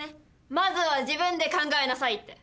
まずは自分で考えなさいって。